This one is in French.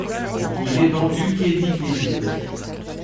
Il est vendu Khédive d'Égypte.